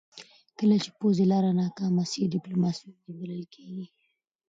کله چې پوځي لاره ناکامه سي، ډيپلوماسي امید بلل کېږي .